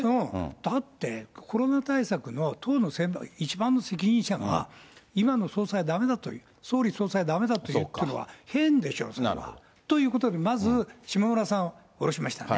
だって、コロナ対策の党の一番の責任者が、今の総裁はだめだと、総理、総裁がだめだというのは変でしょ。ということで、まず下村さんをおろしましたね。